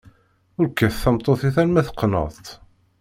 Ur kkat tameṭṭut-ik alemma teqneḍ-tt.